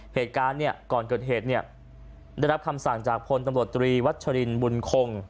เหตุการณ์เนี่ยก่อนเกิดเหตุเนี่ยได้รับคำสั่งจากพลตำรวจตรีวัชรินบุญคง